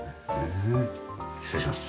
失礼します。